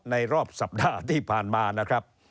รอบสัปดาห์ที่ผ่านมานะครับ